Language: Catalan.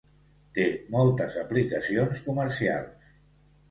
Té moltes aplicacions comercials.